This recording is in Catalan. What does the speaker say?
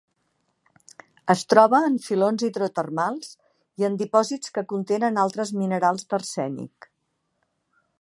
Es troba en filons hidrotermals i en dipòsits que contenen altres minerals d'arsènic.